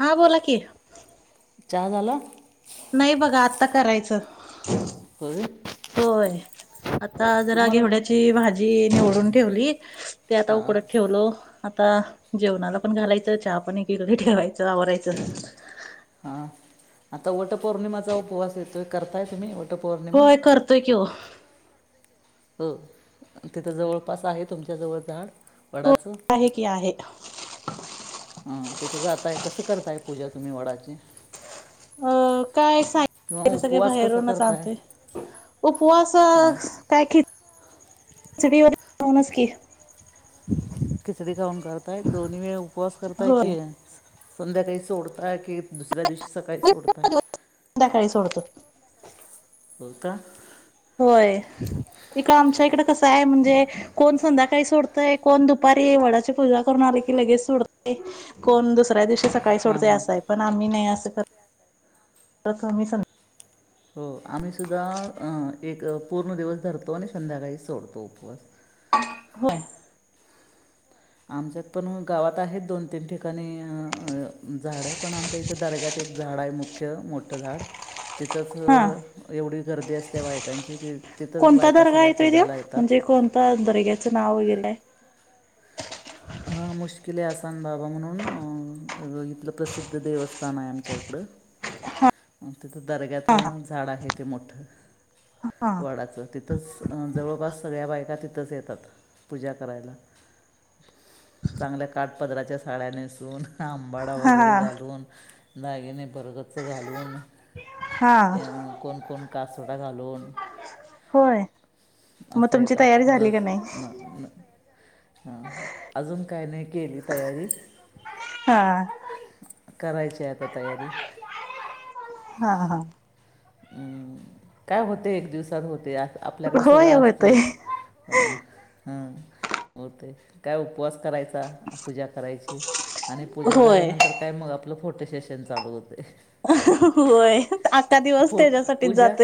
हा बोला की? चहा झाला? नाही बघा आत्ता करायचं होय होय आता जरा तुम्हाला घेवड्याची भाजी निवडून ठेवली ते आता हां उकडत ठेवलो. आता जेवणाला पण घालायचं. चाहा पण एकीकडं ठेवायचं. आवरायचं हां आता वट पौर्णिमेचा उपवास येतोय करताय तुम्ही? वटपौर्णिमा होय करतोय की वो हो तिथं जवळपास आहे तुमच्याजवळ झाड हो वडाचं? आहे की आहे हं तिथं जाताय कसं करताय पूजा तुम्ही वडाची? अ काय किंवा साहित्य सगळे उपवास कसा बाहेरूनच करताय आणतोय. उपवास अ हां काय खिच खिचडी व खाउनच की? खिचडी खाऊन करताय? दोन्ही वेळ उपवास करताय होय की? संध्याकाळी सोडताय की दुसऱ्या दिवशी सकाळी मी सोडताय? पण संध्याकाळी सोडतो सोडता? होय हित आमच्या इकडं कसंय म्हणजे कोण संध्याकाळी सोडतय, कोण दुपारी वडाची पूजा करुन आलं की लगेच सोडतय कोण दुसऱ्या दिवशी सकाळी हां सोडतय हां असाय पण आम्ही नाही असं करत आम्ही संध् हो आम्ही सुद्धा एक पूर्ण दिवस धरतो आणि संध्याकाळी सोडतो उपवास [inaudible] हो आमच्यात पण गावात आहेत दोन तीन ठिकाणी झाडं पण आम च्या इथं दर्ग्यात एक झाड आहे. मुख्य मोठं झाड हा तिथंच एवढी गर्दी असते बायकांची ती तिथंच कोणता बायका दर्गा सगळ्या येतोय तो? पूजायला येतात म्हणजे कोणत दर्ग्याचं नाव वगैरे काय? हा मुश्किले आसान बाबा म्हणून इथलं प्रसिद्ध देवस्थान आहे आमच्या इकडं तिथं दर्ग्यात हा झाडं आहे. ते मोठं हा वडाचं तिथंच जवळपास सगळ्या बायका तिथंच येतात पूजा करायला चांगल्या काटपदराच्या साड्या नेसून आंबाडा हा वगैरे हा घालून दागिने भरगच्च घालून हा कोण कोण कासोटा घालून होय मग असं तुमची येतात तयारी झाली का नस नाही न न हा अजून काय नाही केली तयारी हा करायचीय आता तयारी हा हा हं काय होते. एक दिवसात होते आपल्याकडे सगळं होय होतय असतचं हं हा होतेय काय उपवास करायचा, पूजा करायची आणि पूजा होय झाल्यानंतर काय मग आपलं फोटो सेशन चालू होतेय [inaudible] व्हय आता दिव पूजा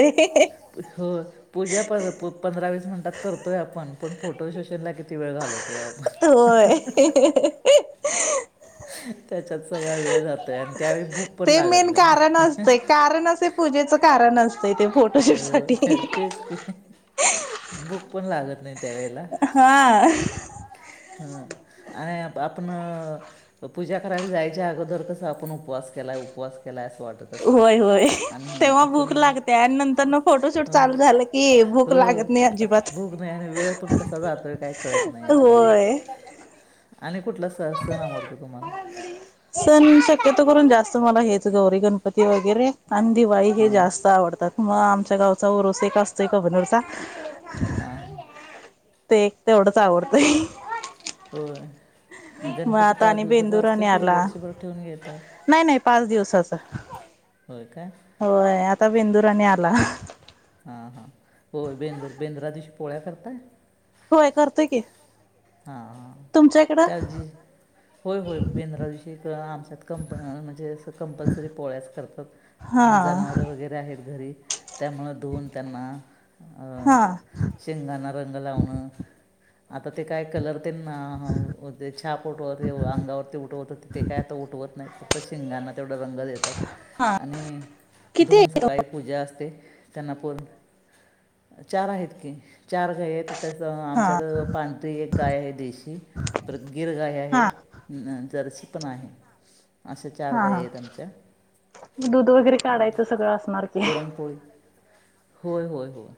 हो पूजा. पंधरा वीस मिनटात करतो आहे आपण पण फोटोज शशीेल किती वेळ घालोत. होय. त्याच्यात सगळा वेळ जातोय आणि त्यावेळी भूक पण लागत नाही. आरं नशीब. पूजेच कारण असतयं ते फो तेच की भूक पण लागत नाही त्यावेेळेला. हां. हं आणि आपण पूजा करायला जायच्या अगोदर कसं आपण उपवास केलाय उपवास केलाय असं वाटत असते होय होय आणि तेव्हा भूक आपण लागते आणि नंतर मग फोटोशूट अ, चालू झाले. ये भूक होय लागत नाही अजिबात भूक नाही आणि वेळ पण कसा जातोय काय कळत नाही आपल्याला होय. आणि कुठला स सण आवडतो तुम्हाला सण शक्यतो करून जास्त मला हेच गौरी गणपती वगैरे आणि दिवाळी हे हां जास्त आवडतात मग आमच्या गावचा उरुस एक असतोय कबनूरचा हा. ते एक तेवढंच आवडतंय. होय मग गणपती आता पाच आणि दिवसाचा असतो बेंदूराने की आला वर्षभर ठेवून घेताय. नाही नाही पाच दिवसाचा. होय काय. होय आता बेंदूरं आणि आला. हां हां होयं बेंद्र बेंद्रा दिवशी पोळ्या करताय? होय करतोय की. हा हां. तुमच्या इकडं. त्या जी होय होय बेंद्रा दिवशी हिकडं आमच्यात कंप म्हणजे असं कंपल्सरी पोळ्याच करतात. हा जनावरे वगैरे आहेत घरी त्यामुळं धुऊन त्यांना अ हा बेय. शेंगांना रंग लावणं आता ते काय कलर तेन हं हं. जे छाप उटवते अंगावरती उठवतात ते काय आता उठवत नाही फक्त शेंगाना तेवढा रंग देतात हा आणि किती धुऊन सकाळी. पूजा असते त्यांना पण चार आहेत की चार गाईत आहेत. तसं हा आमच्यात पांढरी एक गाय आहे देशी. परत गिर गाय आहे हा जर्शी पण आहे. अश्या चार गायी आहेत आमच्या. दुध वगैरे काढायचं सगळं असणार की. पुरणपोळी होय होय होय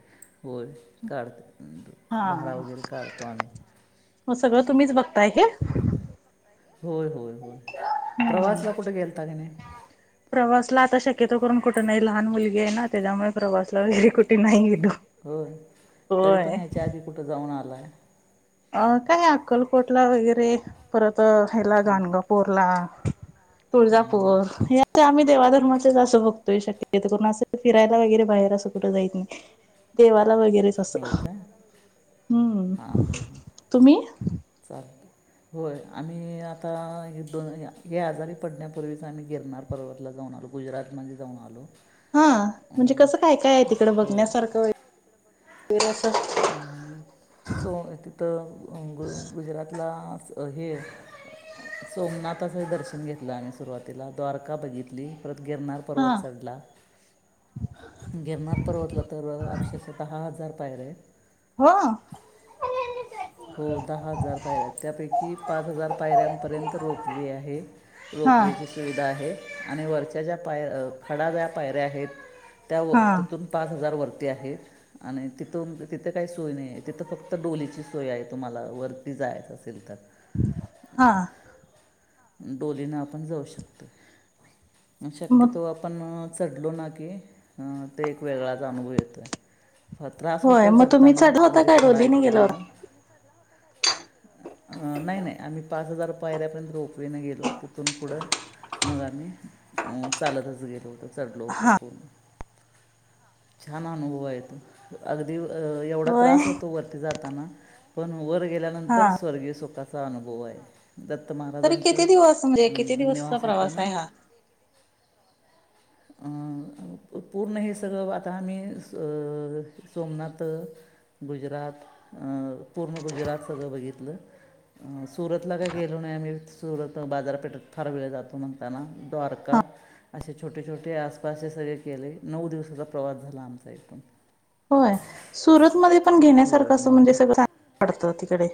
होय काढते हा धारा वगैरे काढतो आम्ही. म सगळं तुम्हीच बघताय की. होय होय होय प्रवासला कुठे गेलता का नाही. प्रवासला आता शक्यतो करून कुठं नाही लहान मुलगी आहे ना त्याच्यामुळे प्रवासला वगैरे कुठे नाही गेलो. होय तरी पण होय हेच्या आधी कुठं जाऊन आलाय. अ काय अक्कलकोटला वगैरे परत हेला गाणगा पोरला हां हां तुळजापूर ह्या. की आम्ही देवाधर्माचेच असं बघतोय शक्यता करून असं फिरायला वगैरे बाहेर असं कुठं जायीत नाही. देवाला वगैरे. होय काय. हा हा हा तुम्ही चालतयं. होय आम्ही आता हे दोन हे आजारी पडण्यापूर्वीच आम्ही गिरणार. पर्वतला जाऊन आलो, गुजरातमध्ये जाऊन आलो. हां म्हणजे अं, कसं काय काय आहे तिकडं हो बघण्यासारखं वगैरे असं. हं हम्म. सो तिथं गु गुजरांतला हे सोमनांथाचं दर्शन घेतलं आम्हीं सुरुवातीलां द्वारकां बघितली परंत गिरनांर हा पर्वत चढलां. गिरणांर पर्वतलां तरं अक्षरशः हां दहा हजारं पायऱ्यां आहेत. हो. हो दहा हजार पायऱ्यां त्यांपैकी पांच हजार पायऱ्यांपर्यंत रोपवे आहे. हा रोफवे स सुविधा आहे आणि वरच्यां ज्यां पांय खंडा ज्यां पायऱ्यां आहेत त्यां व हा तिथूंन पांच हजार वरती आहेतं आणि तिथूंन तिथे कांहीं सोयं नाहीं आहे तिथं फक्तं डोलीची सोयं आहे तुम्हांला वरती जायचं असेल तरं. हां. डोलीनं आपणं जाऊं शकतो मग शक्यंतो आपणं पणं चढलो नां की अं ते एक वेगळांच अनुभव येतोय. त्रांस होय होतो मग तुम्ही चढतांना चढला होता अगदी काय खंडा डोलीने येतं गेल्यावर त्यांमुळं. नाहीं नाहीं आम्हीं पांच हजार पायऱ्यांपर्यंत रोपवेने गेलो तिथूंन पुढं. मंग आम्हीं चालंतच गेलो होतो चढलो होतो खोन छांन अनुभव आहे तो अगदीं एवढां होय त्रांस होतो वरती जातांना. पणं वरं गेल्यानंतर हा स्वर्गीय सुखांचा अनुभव आहे. दत्तं तरी किती दिवस म्हणजे किती महाराजांचं दिवसचा निवासं प्रवास होतांना. आहे हा [inaudible] [unintelligible] पूर्ण हे सगळं आतां आम्हीं सोमनांथ गुजरांत पूर्ण गुजरांत सगळं बघितलं. सुरतलां कायं गेलो नाहीं मी सुरतला बाजांरपेठेतं फांर वेळं जातो म्हणतांना द्वारकां असे छोटे छोटे आसपांसचे सगळें केले नऊ दिवसांचा प्रवांस झालां आमचां एकथूंण होयं सुरतमध्यें पणं होय घेण्यांसारखं असं नऊ म्हणजे दिवस. सगळं तिकडे.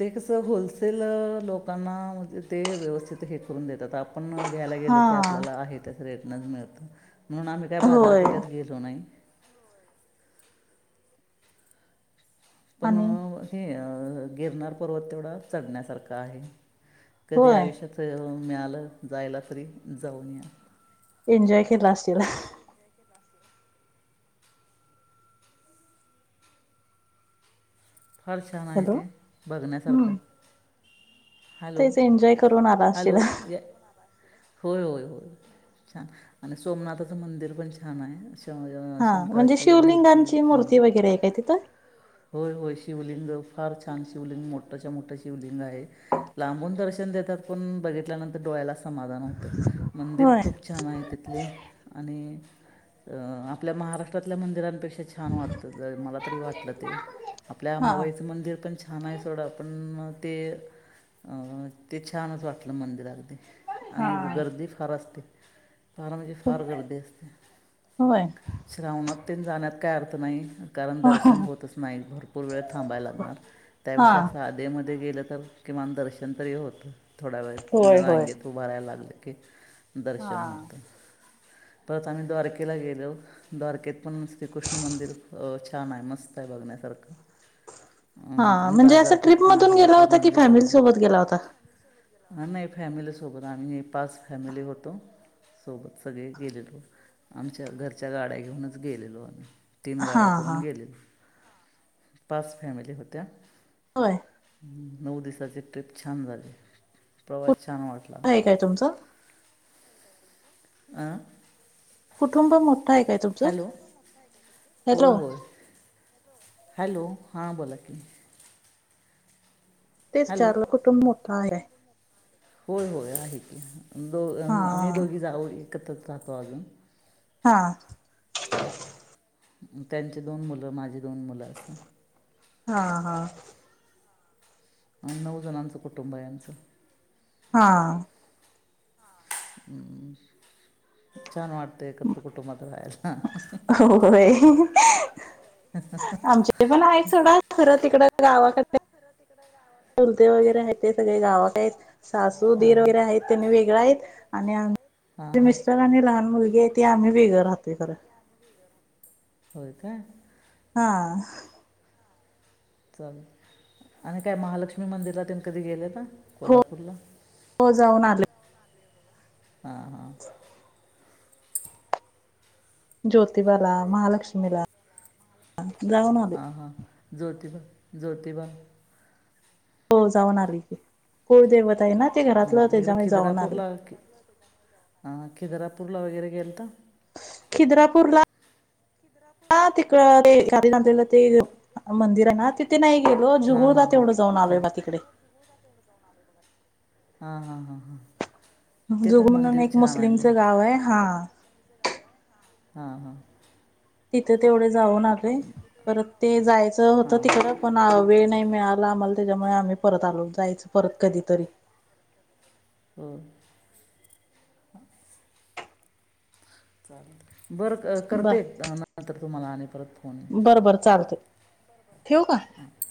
ते कसं होलसेल लोकांनाजे ते व्यवस्थित हे करूंन देतातं आप आपणं घ्यांयला गेलो हा की आपल्यांला आहे त्यां रेटनचं मिळतो म्हणूंन आम्हीं कायं होय बाजारपेठेतं गेलो गेलो नाहीं. आणि पणं हे गिरनांर पर्वत तेवढां चढण्यांसारखां आहे. कधीं होय आयुष्यांत मिळालं जांयला तरी जाऊंन यां. एन्जॉय केलां असेलं फांर छांन आहे हॅलो ते बघण्यांसारखं. हम्म हॅलो तेच एन्जॉय करून आला हॅलो असशीला ज होयं होयं होयं छांन आणि सोमनांथाचं मंदिरं पणं छांन आहे असं हा म्हणजे शंकरांची मूर्ती शिवलिंगांची मूर्ती वगैरे आहे काय तिथं होयं होयं शिवलिंग फांर छांन शिवलिंग मोठ्यांच्या मोठ्यां शिवलिंग आहे. लांबून दर्शन देतांत पणं बघितल्यांनंतर डोळ्यांला समाधांन होतं मंदिरं होय खूंप खूंप छांन आहे तिथले आणि आपल्यां महाराष्ट्रातल्यां मंदिरांपेक्षा छांन वाटतं ते मलां तरी वाटलं ते आपल्यां हा अंबाबाईचं मंदिर पणं छांन आहे सोडं पणं ते अं ते छांन असं वाटलं मंदिरं अगदी हा आणि गर्दी फांर असतें फांर म्हणजे फांर गर्दी असतें. होय श्रावणांत ते जाण्यांत कायं अर्थ नाहीं कारणं दर्शन हा होतंच नाहीं भरंपूर भरंपूर वेळं थांबाय लागणांर त्यांपेक्षा सांधे मध्ये गेलं तरं किमांन दर्शन तरी होतं. थोडा वेळं होय होय रांगेत उभं राहीलं की लगे लगे की हा दर्शन होतं. परंत आम्हीं द्वारकेलां गेलो. द्वारकेत पणं श्रीकृष्ण मंदिरं छांन आहे मस्तं आहे बघण्यांसारखं. हा अं आणि म्हणजे असं बाजांरपेठ ट्रिप पणं मधून आहे गेला तिथं होता की मंदिरलां फॅमिली लावूंन. सोबत गेला होता हां नाहीं फॅमिली सोबतं आम्हीं एक पांच फॅमिली होतो. सोबतं सगळें गेलेलो आमच्यां घरच्यां गाड्यां घेऊनचं गेलेलो आम्हीं तीन हा गाड्या करून हा गेलेत. पाच फॅमिली होत्या होय. नऊ दिसाची ट्रिप छान झाली प्रवास कुठं छान वाटला आहे काय तुमचं आं कुटुंब मोठं आहे काय तुमचं- हॅलो होय हॅलो होय. हॅलो हां बोला की तेच हॅलो विचारल कुटुंब मोठ हाय होय होय आहे की दो आम्ही हा दोघी जाऊ एकत्रच राहतो अजून हा त्यांचे दोन मुलं माझी दोन मुलं असं हा हा नऊ जणांचं कुटुंब आहे आमच हा हम छान वाटतय एकत्र कुंटुबात राह्यला होय आमच्या पण आहेत सोडा खरं तिकंड गावाकड ते चुलते वगैरे आहेत ते सगळे गावत आहेत सासू हां दिर हां वगैरे आहेत त्यांनी वेगळ आहेत आणि हां आमचे हां मिस्टर आणि लहान मुलगी आहेत ते आम्ही वेगळं राहतोय खरं होय काय हा चालेल आणि काय महालक्ष्मी मंदिरला तेन कधी गेले का हो कोल्हापूरला हो जाऊन आले हा हो ज्योतिबाला महालक्ष्मीला हा जाऊन आ ह हां ज्योतिबा ज्योतिबा हो जाऊन आली की कुळदैवत आहे ना ते घरातलं हं, इकडे त्याच्यामुळे जाऊन आले खिद्रापूरला खि- हां खिद्रापूरला वगैरे गेले का खिद्रापूर ला ह तिकड तेलं ते मंदिर आहे ना तिथ तिथे नाही गेलो हां हां जुगुळला हां तेवढं जाऊन आलोय बघा तिकडे हा हा हा हा जुगुळ म्हणून एक मुस्लिमचं गाव आहे हा हा हा तिथं तेवढे जाऊ आलोय परत ते जायचं होतं हां तिकडं पण वेळ नाही मिळाला आम्हाला त्याच्यामुळे आम्ही परत आलो जायच परत कधीतरी होय चाल बरं बर करते नंतर तुम्हाला आणि परत फोन बरं बरं चालते ठेवू का हां